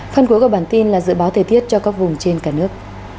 phần cuối của bản tin là dự báo thời tiết cho các vùng trên cả nước